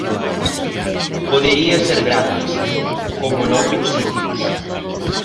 Podería ser gratis, como noutros sitios.